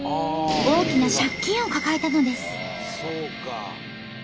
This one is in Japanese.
大きな借金を抱えたのです。